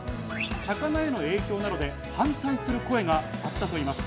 魚への影響などで、反対する声があったといいます。